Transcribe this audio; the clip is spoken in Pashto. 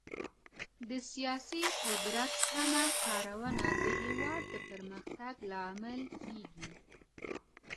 د سياسي قدرت سمه کارونه د هېواد د پرمختګ لامل کېږي.